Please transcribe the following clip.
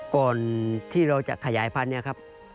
ก่อนที่เราจะขยายพันธุ์เนี่ยครับ